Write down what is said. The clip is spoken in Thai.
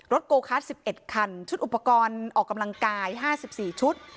โกคัส๑๑คันชุดอุปกรณ์ออกกำลังกาย๕๔ชุด